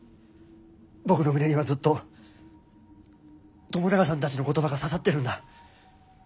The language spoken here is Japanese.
僕の胸にはずっと友永さんたちの言葉が刺さってるんだ。